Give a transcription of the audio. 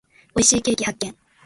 美味しいケーキ発見。